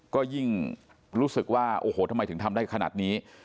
ก็ยิ่งรู้สึกว่าโอ้โหทำไมถึงทำได้ขนาดนี้